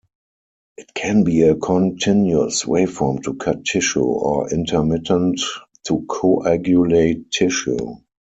It can be a continuous waveform to cut tissue, or intermittent to coagulate tissue.